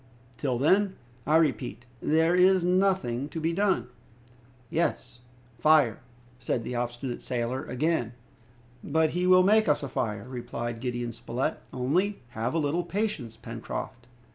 Till then, I repeat, there is nothing to be done." "Yes, fire!" said the obstinate sailor again. "But he will make us a fire!" replied Gideon Spilett, "only have a little patience, Pencroft!"